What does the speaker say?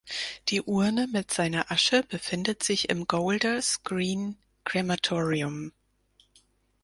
Die Urne mit seiner Asche befindet sich im Golders Green Crematorium.